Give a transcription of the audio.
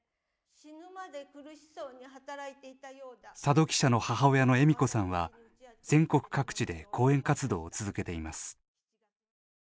佐戸記者の母親の恵美子さんは全国各地で講演活動を続けています。